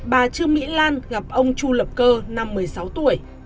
bà trương mỹ lan gặp ông chu lập cơ năm một mươi sáu tuổi